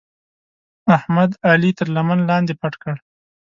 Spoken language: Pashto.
احمد؛ علي تر لمن لاندې پټ کړ.